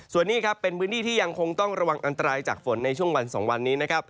ส่วนนี้ครับเป็นพื้นที่ที่ยังคงต้องระวังอันตรายจากฝนในช่วงวัน๒วันนี้นะครับ